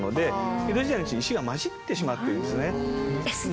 江戸時代のうちに石が交じってしまってるんですね。